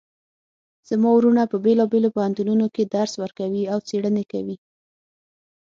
زما وروڼه په بیلابیلو پوهنتونونو کې درس ورکوي او څیړنې کوی